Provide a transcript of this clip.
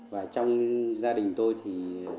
và trong gia đình tôi thì